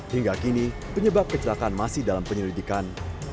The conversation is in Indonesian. hingga kini penyebab kecelakaan masih dalam penyelidikan